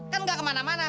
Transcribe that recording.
kan ga kemana mana